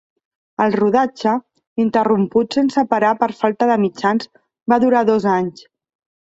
El rodatge, interromput sense parar per falta de mitjans, va durar dos anys.